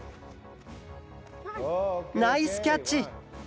ナイスキャッチ！